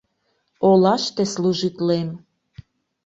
Олаште служитлем...